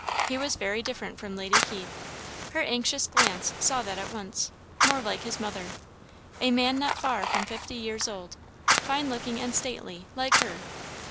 He was very different from Lady Keith her anxious glance saw that at once more like his mother. A man not far from fifty years old, fine looking and stately, like her.